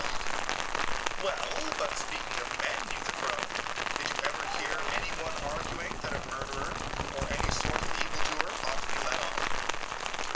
SOCRATES: Well, but speaking of men, Euthyphro, did you ever hear any one arguing that a murderer or any sort of evil doer ought to be let off?